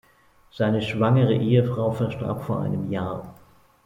Seine schwangere Ehefrau verstarb vor einem Jahr.